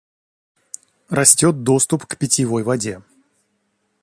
Растет доступ к питьевой воде.